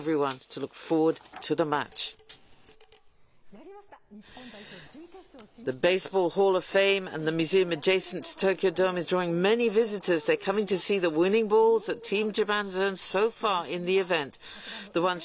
やりました、日本代表、準決勝進出です。